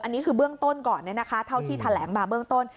อันนี้คือเบื้องต้นก่อนเท่าที่แถลงมาเบื้องต้น